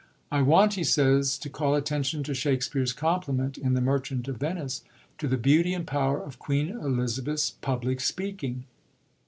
" I want," he says, "to call attention to Shakspere's compliment in The MercharU of Venice to the beauty and power of Queen Elizabeth's public speaking.